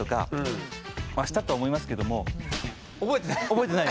覚えてない？